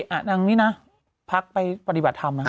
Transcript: อาจารย์นี้นะพักไปปฏิบัติธรรมนะ